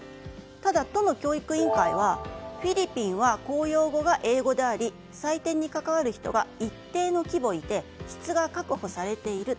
ただ、都の教育委員会はフィリピンは公用語が英語であり採点に関わる人が一定の規模いて質が確保されている。